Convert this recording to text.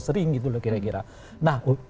sering gitu loh kira kira nah